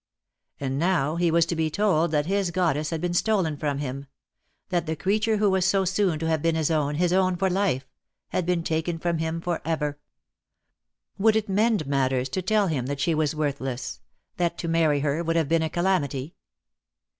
And now he was to be told that his goddess had been stolen from him — that the creature who was so soon to have been his own, his o^vn for life, had been taken from him for ever. Would it mend matters to tell him that she was worthless, that to marry her would have been a calamity?